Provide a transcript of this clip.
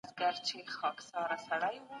انلاين کورسونه د لرې زده کړې حل وړاندې کوي.